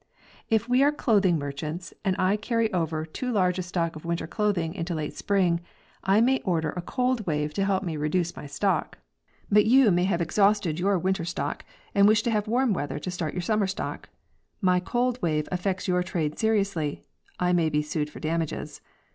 If we are clothing merchants and I 'arry over too large a stock of winter clothing into late spring, I may order a cold wave to help me reduce my stock. But you may have exhausted your winter stock and wish to have warm weather to start ygur summer stock. My cold wave affects your trade seriously ; I may be sued for damages.